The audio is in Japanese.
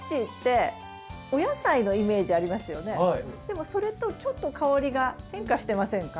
でもそれとちょっと香りが変化してませんか？